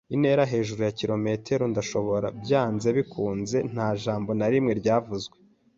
intera - hejuru ya kilometero - Ndashobora, byanze bikunze, nta jambo na rimwe ryavuzwe.